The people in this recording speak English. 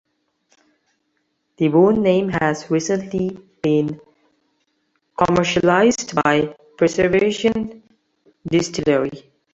The Boone name has recently been commercialized by Preservation Distillery.